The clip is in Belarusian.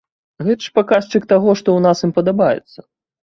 Гэта ж паказчык таго, што ў нас ім падабаецца.